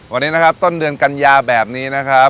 วันนี้นะครับต้นเดือนกันยาแบบนี้นะครับ